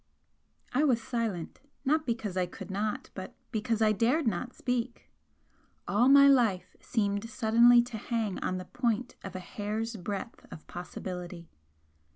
I was silent, not because I could not but because I dared not speak. All my life seemed suddenly to hang on the point of a hair's breadth of possibility.